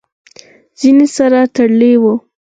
زینه سره تړلې وي .